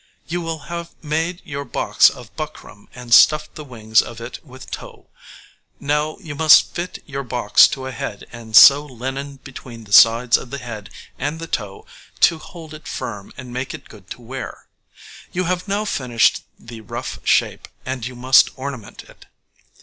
You will have made your box of buckram and stuffed the wings of it with tow; now you must fit your box to a head and sew linen between the sides of the head and the tow to hold it firm and make it good to wear. You have now finished the rough shape, and you must ornament it.